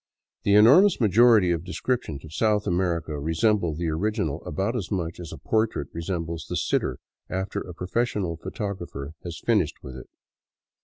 The enormous majority of descriptions of South America resemble the original about as much as a portrait resembles the sitter after a professional photographer has finished with it.